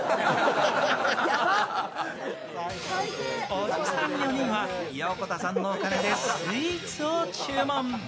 おじさん４人は、横田さんのお金でスイーツを注文。